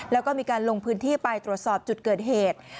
แล้วก็มีการลงพื้นที่ไปตรวจสอบจุดเกิดเหตุ